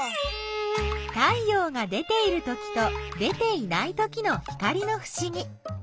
太陽が出ているときと出ていないときの光のふしぎ。